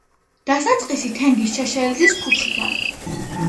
დასაწყისი თენგიზ შეშელიძის ქუჩიდან.